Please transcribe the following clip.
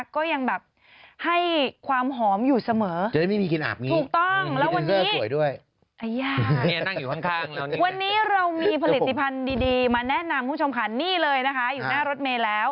คุณผู้ชมค่ะนี่เลยนะคะอยู่หน้ารถเมล์แล้ว